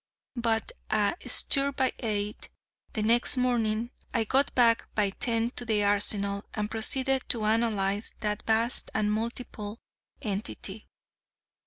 But, a stir by eight the next morning, I got back by ten to the Arsenal, and proceeded to analyse that vast and multiple entity.